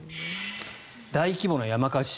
大規模な山火事。